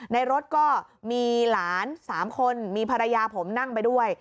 ในรถก็มีหลาน๓คนมีภรรยาผมนั่งไปด้วย